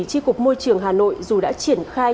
tri cục môi trường hà nội dù đã triển khai